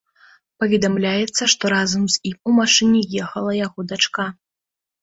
Паведамляецца, што разам з ім у машыне ехала яго дачка.